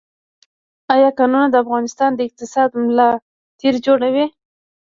آیا کانونه د افغانستان د اقتصاد ملا تیر جوړوي؟